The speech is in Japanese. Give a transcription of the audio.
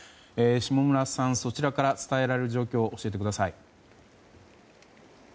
下村さん、そちらから伝えられる状況教えてください。